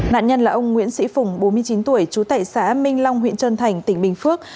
nạn nhân là ông nguyễn sĩ phùng bốn mươi chín tuổi trú tại xã minh long huyện trơn thành tỉnh bình phước